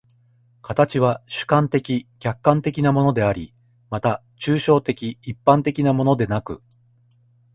形は主観的・客観的なものであり、また抽象的一般的なものでなく、